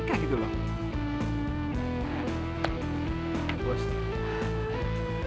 apa kamu faedah dengan nek ferkel